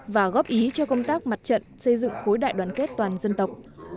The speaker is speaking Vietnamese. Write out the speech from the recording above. và góp ý cho công tác mặt trận xây dựng khối đại đoàn kết toàn dân tộc